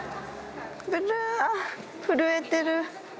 ブルー、あー、震えてる。